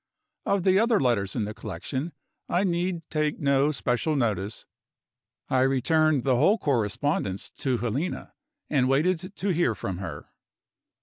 Of the other letters in the collection, I need take no special notice. I returned the whole correspondence to Helena, and waited to hear from her.